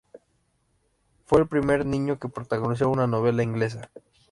Fue el primer niño que protagonizó una novela inglesa.